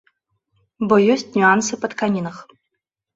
Бо ёсць нюансы па тканінах.